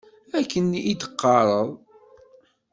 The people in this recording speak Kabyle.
Akken i d-teqqareḍ.